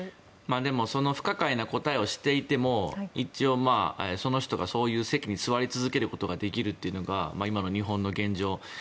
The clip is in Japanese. でもその不可解な答えをしていても一応その人がそういう席に座り続けることができるというのが今の日本の現状。